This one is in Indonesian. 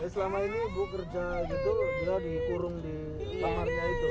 selama ini ibu kerja gitu beliau dikurung di kamarnya itu